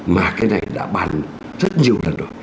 mà cái này đã bàn rất nhiều lần rồi